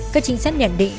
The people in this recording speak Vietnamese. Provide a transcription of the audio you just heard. các trinh sát nhận định